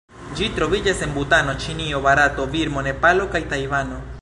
Ĝi troviĝas en Butano, Ĉinio, Barato, Birmo, Nepalo kaj Tajvano.